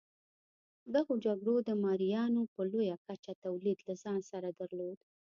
دغو جګړو د مریانو په لویه کچه تولید له ځان سره درلود.